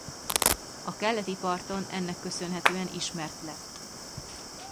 A keleti parton ennek köszönhetően ismert lett.